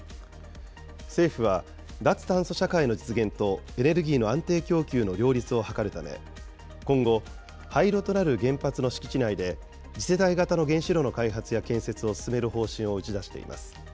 政府は、脱炭素社会の実現と、エネルギーの安定供給の両立を図るため、今後、廃炉となる原発の敷地内で、次世代型の原子炉の開発や建設を進める方針を打ち出しています。